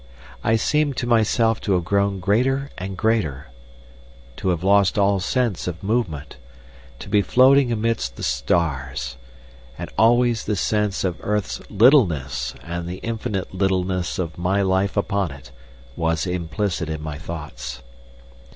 I seemed to myself to have grown greater and greater, to have lost all sense of movement; to be floating amidst the stars, and always the sense of earth's littleness and the infinite littleness of my life upon it, was implicit in my thoughts.